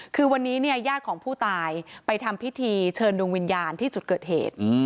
คือวันนี้เนี่ยญาติของผู้ตายไปทำพิธีเชิญดวงวิญญาณที่จุดเกิดเหตุ